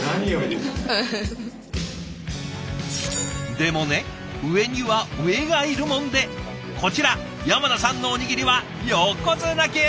でもね上には上がいるもんでこちら山名さんのおにぎりは横綱級！